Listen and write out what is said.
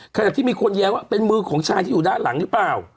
ขณะที่มีคนแย้งว่าเป็นมือของชายที่อยู่ด้านหลังหรือเปล่า